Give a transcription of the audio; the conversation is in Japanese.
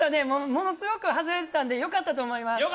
ものすごく走れてたんでよかったと思います。